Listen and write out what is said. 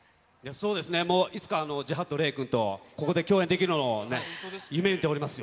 そうですね、いつか、ジハッドれい君と、ここで共演できるのを夢みておりますよ。